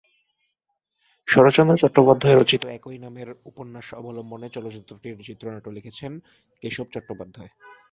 শরৎচন্দ্র চট্টোপাধ্যায় রচিত একই নামের উপন্যাস অবলম্বনে চলচ্চিত্রটির চিত্রনাট্য লিখেছেন কেশব চট্টোপাধ্যায়।